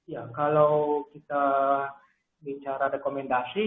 ya kalau kita bicara rekomendasi